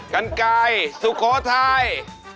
กันไก่สุโขทัย